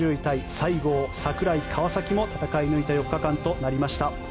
西郷、櫻井、川崎も戦い抜いた４日間となりました。